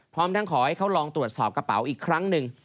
พร้อมทั้งขอให้เขาลองตรวจสอบกระเป๋าอีกครั้งหนึ่ง